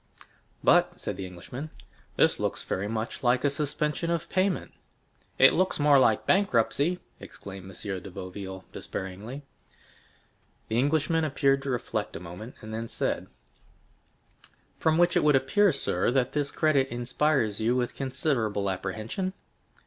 "But," said the Englishman, "this looks very much like a suspension of payment." "It looks more like bankruptcy!" exclaimed M. de Boville despairingly. The Englishman appeared to reflect a moment, and then said, "From which it would appear, sir, that this credit inspires you with considerable apprehension?"